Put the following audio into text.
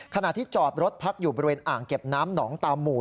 ขณะที่จอดรถพักอยู่บริเวณอ่างเก็บน้ำหนองตามหมู่